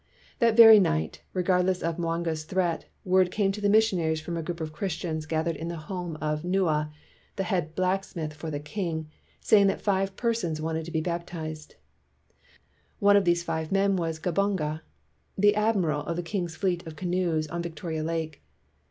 That very night, regardless of Mwanga 's threat, word came to the missionaries from 231 WHITE MAN OF WORK a group of Christians gathered in the home of Nua, the head blacksmith for the king, saying that five persons wanted to be bap tized. One of these five men was Gabunga, the admiral of the king's fleet of canoes on Victoria Lake.